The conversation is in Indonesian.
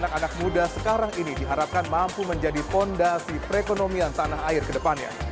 anak anak muda sekarang ini diharapkan mampu menjadi fondasi perekonomian tanah air ke depannya